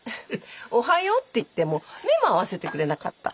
「おはよう」って言っても目も合わせてくれなかった。